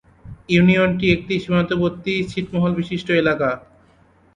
ইউনিয়নটি একটি সীমান্তবর্তী ছিটমহল বিশিষ্ট এলাকা।